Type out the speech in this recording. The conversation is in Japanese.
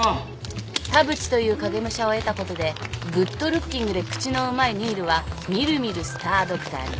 田淵という影武者を得たことでグッドルッキングで口のうまい新琉は見る見るスタードクターに。